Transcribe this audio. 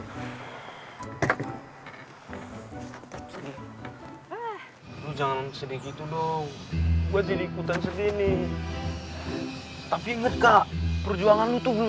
lu jangan sedih gitu dong gue jadi ikutan sedih nih tapi enggak perjuangan lu tuh belum